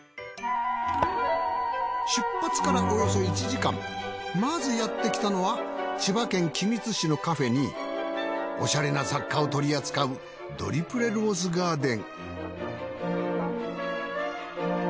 出発からおよそ１時間まずやってきたのは千葉県君津市のカフェにおしゃれな雑貨を取り扱うドリプレ・ローズガーデン。